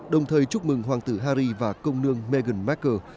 đồng thời chúc mừng hoàng tử harry và công nương meghan markle